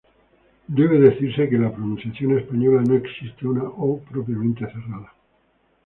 Debe decirse que en la pronunciación española no existe una "o" propiamente cerrada.